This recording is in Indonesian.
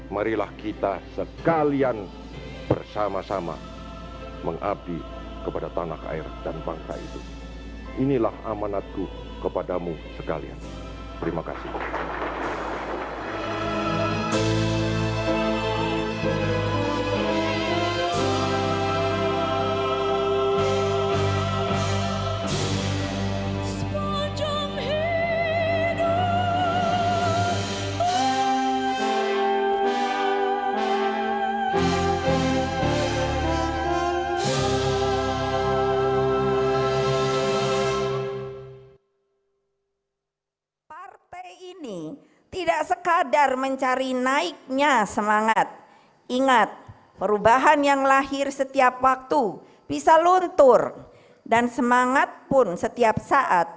marilah kita sekalian bersama sama mengabdi kepada tanah air dan bangsa